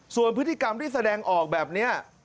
ส่วนพฤติกรรมที่แสดงออกแบบนี้